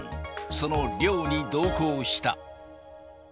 その猟に同行した。